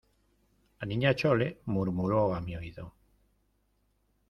la Niña Chole murmuró a mi oído: